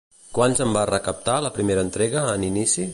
Quants en va recaptar la primera entrega en inici?